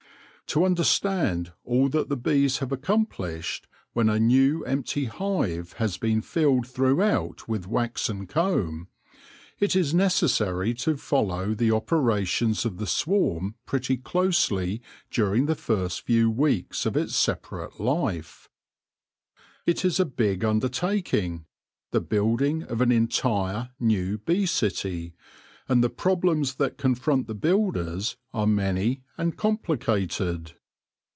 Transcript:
i 4 o THE LORE OF THE HONEY BEE To understand all that the bees have accomplished when a new empty hive has been filled throughout with waxen comb, it is necessary to follow the opera tions of the swarm pretty closely during the first few weeks of its separate life. It is a big undertaking, the building of an entire, new bee city, and the problems that confront the builders are many and complicated.